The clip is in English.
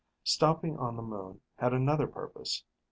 Stopping on the moon had another purpose.